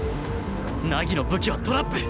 凪の武器はトラップ！